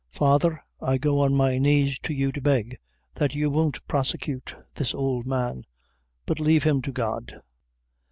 Father, I go on my knees to you to beg that you won't prosecute this ould man; but leave him to God!"